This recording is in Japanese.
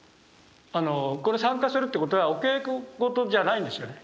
これ参加するってことはお稽古事じゃないんですよね。